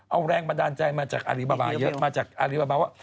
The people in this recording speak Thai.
เอาแรงบันดาลใจมาจากอารีบาบาเยอะมาจากอารีบาบาว่า